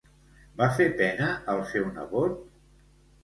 Va fer pena al seu nebot?